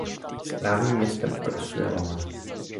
Správním městem okresu je Lamar.